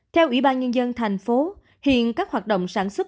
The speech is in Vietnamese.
theo ủy ban nhân dân tp hcm hiện các hoạt động sản xuất